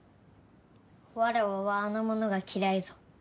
わらわはあの者が嫌いぞ。